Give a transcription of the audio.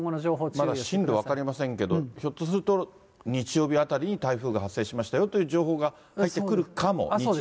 まだ進路分かりませんけれども、ひょっとすると、日曜日あたりに台風が発生しましたよという情報が入ってくるかも。